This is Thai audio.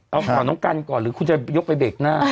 เอาข่าวน้องกันก่อนหรือคุณจะยกไปเบรกหน้า